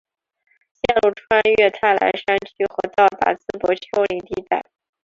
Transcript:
线路穿越泰莱山区和到达淄博丘陵地带。